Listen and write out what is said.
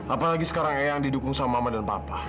apalagi sekarang eyang didukung sama mama dan papa